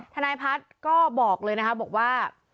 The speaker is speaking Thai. ทนายพัฒน์ก็บอกเลยนะคะบอกว่า